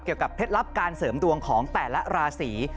เกี่ยวกับเคล็ดลับการเสริมตวงของแต่ละราศี